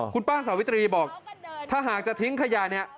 คุณป้าสาวิตรีบอกถ้าหากจะทิ้งขยะเนี่ย